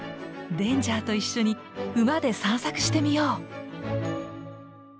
レンジャーと一緒に馬で散策してみよう！